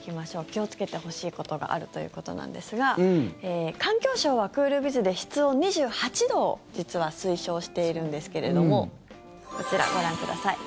気をつけてほしいことがあるということなんですが環境省はクールビズで室温２８度を実は推奨しているんですけれどもこちら、ご覧ください。